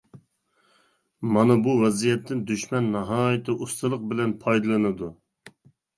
مانا بۇ ۋەزىيەتتىن دۈشمەن ناھايىتى ئۇستىلىق بىلەن پايدىلىنىدۇ.